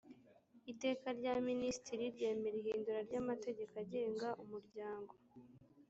iteka rya minisitiri ryemera ihindura ry amategeko agenga umuryango